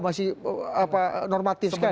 masih normatif sekali